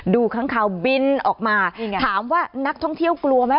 ดูข้างคราวบินออกมาถามว่านักท่องเที่ยวกลัวไหม